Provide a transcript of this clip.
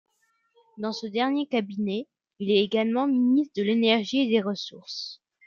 Dans ce dernier cabinet il est également ministre de l'Énergie et des Ressources.